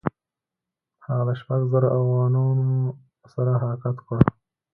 هغه د شپږو زرو اوغانانو سره حرکت وکړ.